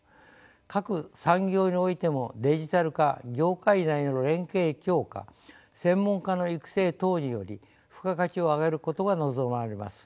各産業においてもデジタル化業界内の連携強化専門家の育成等により付加価値を上げることが望まれます。